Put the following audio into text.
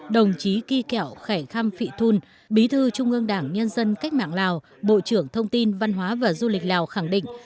đồng chí kỳ kẹo khải khăm phị thun bí thư trung ương đảng nhân dân cách mạng lào bộ trưởng thông tin văn hóa và du lịch lào khẳng định